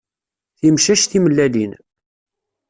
Timcac timellalin.